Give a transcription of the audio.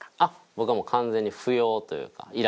僕はもう完全に不要というかいらない。